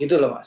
gitu loh mas